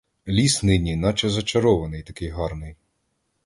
Ліс нині наче зачарований, такий гарний.